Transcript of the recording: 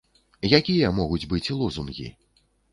Якія могуць быць лозунгі?